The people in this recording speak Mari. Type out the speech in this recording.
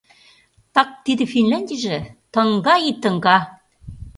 — Так, тиде Финляндийже — тынка и тынка!